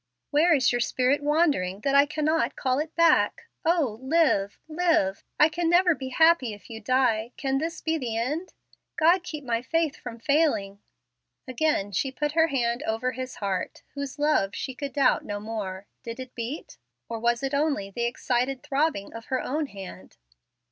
"Where is your spirit wandering that I cannot call it back? O live, live; I can never be happy if you die. Can this be the end? God keep my faith from failing." Again she put her hand over his heart, whose love she could doubt no more. Did it beat? or was it only the excited throbbing of her own hand?